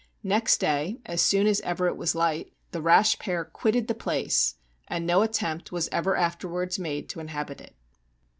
Next day, as soon as ever it was light, the rash pair quitted the place, and no attempt was ever afterwards made to inhabit it.